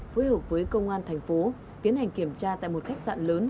phối hợp với công an thành phố tiến hành kiểm tra tại một khách sạn lớn